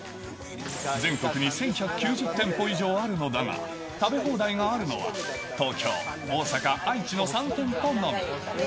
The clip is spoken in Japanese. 全国に１１９０店舗以上あるのだが、食べ放題があるのは、東京、大阪、愛知の３店舗のみ。